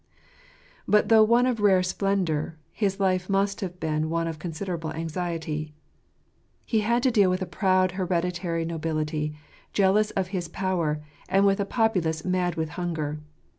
But though one of rare spendour, his life must have been one of considerable anxiety. He had to deal with a proud hereditary nobility, jealous of his power, and with a popu lace mad with hunger.